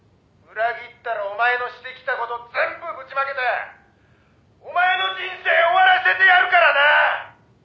「裏切ったらお前のしてきた事全部ぶちまけてお前の人生終わらせてやるからな！」